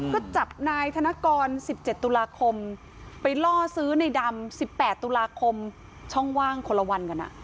ก็จับนายธนกร๑๗ตุลาคมไปล่อซื้อในดำ๑๘ตุลาคมช่องว่างคนละวันกัน